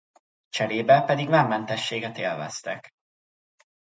Cserébe padig vámmentességet élveztek.